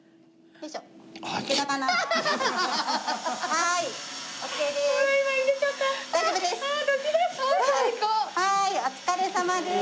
はいお疲れさまです。